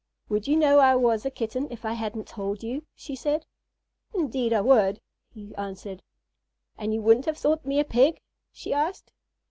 "Would you know I was a Kitten if I hadn't told you?" she said. "Indeed I would," he answered. "And you wouldn't have thought me a Pig?" she asked.